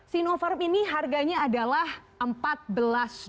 sinovac ini harganya adalah empat belas dolar